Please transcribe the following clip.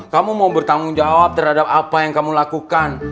kamu mau bertanggung jawab terhadap apa yang kamu lakukan